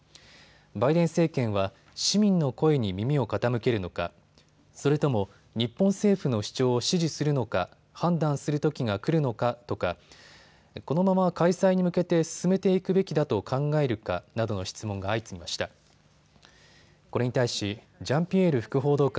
バイデン政権は市民の声に耳を傾けるのか、それとも日本政府の主張を支持するのか判断するときが来るのかとかこのまま開催に向けて進めていくべきだと考えるかなどの質問が相次ぎました。